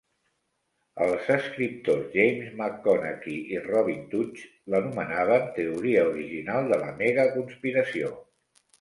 Els escriptors James McConnachie i Robin Tudge l'anomenaven "teoria original de la megaconspiració".